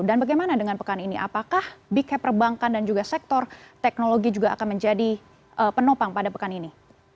dan bagaimana dengan pekan ini apakah big cap perbankan dan juga sektor teknologi juga akan menjadi penopang pada pekan ini